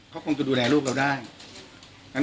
คอนคุณจะดูแลลูกกันได้